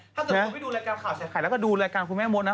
ถ้าเกิดคุณไปดูรายการข่าวใส่ไข่แล้วก็ดูรายการคุณแม่มดนะ